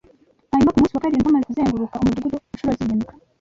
Hanyuma ku munsi wa karindwi bamaze kuzenguruka umudugudu incuro zirindwi